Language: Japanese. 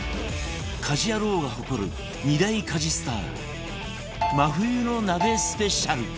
『家事ヤロウ！！！』が誇る２大家事スター真冬の鍋スペシャル